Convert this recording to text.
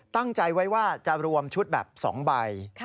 ตั้งใจไว้ว่าจะรวมชุดแบบ๒ใบ